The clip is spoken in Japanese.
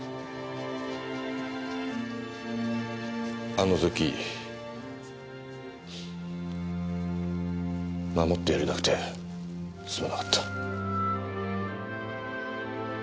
あの時守ってやれなくてすまなかった。